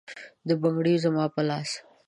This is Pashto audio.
بنګړي به زما د لاس،